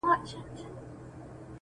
عبث دي راته له زلفو نه دام راوړ,